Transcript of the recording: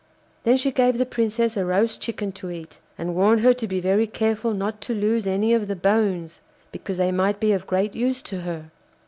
Then she gave the Princess a roast chicken to eat, and warned her to be very careful not to lose any of the bones, because they might be of great use to her.